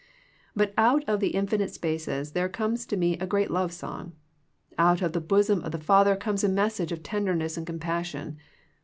But out of the infinite spaces there comes to me a great love song. Out of the bosom of the Father comes a message of tenderness and compassion.